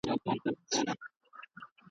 هغه زه یم چي په مینه مي فرهاد سوري کول غرونه ..